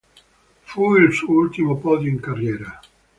Fu il suo ultimo podio in carriera.